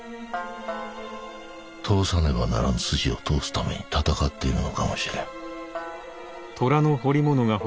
通さねばならぬ筋を通すために戦っているのかもしれん。